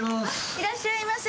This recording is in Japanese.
いらっしゃいませ！